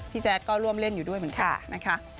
พี่แจ๊กก็ร่วมเล่นอยู่ด้วยเหมือนกัน